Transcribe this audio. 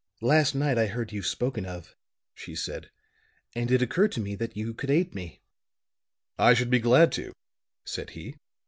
"Last night I heard you spoken of," she said, "and it occurred to me that you could aid me." "I should be glad to," said he.